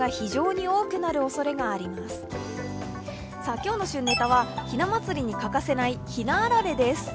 今日の旬ネタはひな祭りに欠かせないひなあられです。